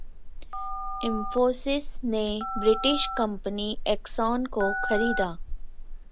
इंफोसिस ने British company Axon को खरीदा